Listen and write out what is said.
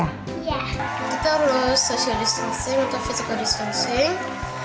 kita harus social distancing atau physical distancing